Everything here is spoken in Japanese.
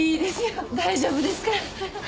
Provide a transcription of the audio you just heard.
大丈夫ですから。